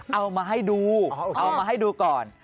เอามาให้ดูก่อน